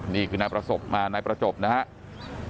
นี่คือนายประสบมานายประจบนะครับ